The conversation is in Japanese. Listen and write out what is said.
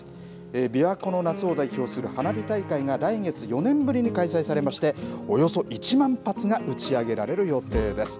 びわ湖の夏を代表する花火大会が、来月、４年ぶりに開催されまして、およそ１万発が打ち上げられる予定です。